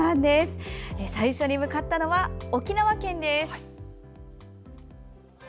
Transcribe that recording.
最初に向かったのは沖縄県です。